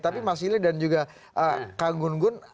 tapi mas ily dan juga kak gun gun